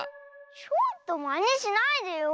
ちょっとまねしないでよ。